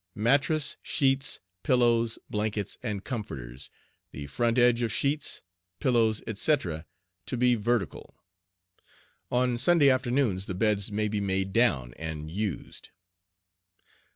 MATTRESS, SHEETS, PILLOWS, BLANKETS, and COMFORTERS, the front edge of sheets, pillows, etc., to be vertical. On Sunday afternoons the BEDS may be made down and used.